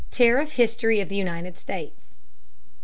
TARIFF HISTORY OF THE UNITED STATES.